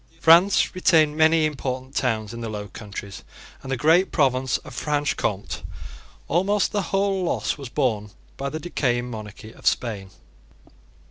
France retained many important towns in the Low Countries and the great province of Franche Comte. Almost the whole loss was borne by the decaying monarchy of Spain.